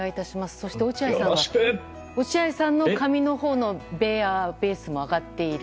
そして落合さんの髪のほうのベア・ベースアップも上がっている？